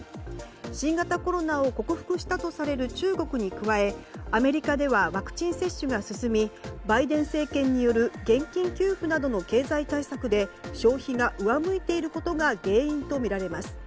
新型コロナを克服したとされる中国に加えアメリカではワクチン接種が進みバイデン政権による現金給付などの経済対策で消費が上向いていることが原因とみられます。